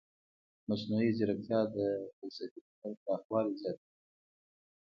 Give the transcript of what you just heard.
مصنوعي ځیرکتیا د فلسفي فکر پراخوالی زیاتوي.